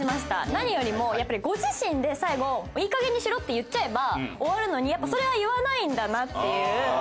何よりもやっぱりご自身で最後「いいかげんにしろ」って言っちゃえば終わるのにやっぱりそれは言わないんだなっていう。